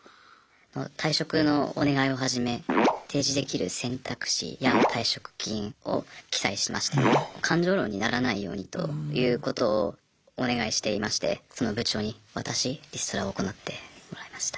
退職のお願いをはじめ提示できる選択肢や退職金を記載しまして感情論にならないようにということをお願いしていましてその部長に渡しリストラを行ってもらいました。